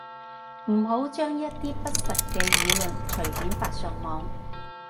唔好將一啲不實嘅言論隨便發上網